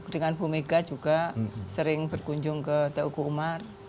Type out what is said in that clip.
dengan bu mega juga sering berkunjung ke dauku umar